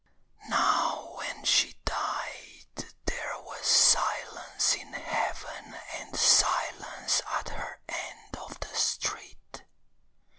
Now when she died there was silence in heaven And silence at her end of the street.